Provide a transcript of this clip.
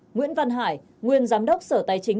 nguyễn văn hải nguyên giám đốc sở tài trình